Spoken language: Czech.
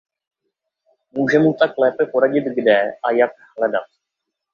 Může mu tak lépe poradit kde a jak hledat.